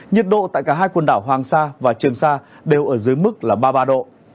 nhiệt độ tại cả hai quần đảo hoàng sa và trường sa đều ở dưới mức là ba mươi ba độ